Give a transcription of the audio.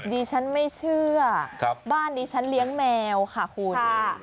ดิฉันไม่เชื่อบ้านนี้ฉันเลี้ยงแมวค่ะคุณ